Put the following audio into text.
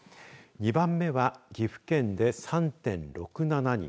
２番目は岐阜県で３．６７人。